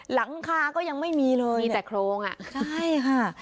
หลังคาก็ยังไม่มีเลยมีแต่โครงอ่ะใช่ค่ะ